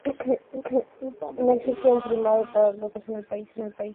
No existe un primado para los católicos en el país.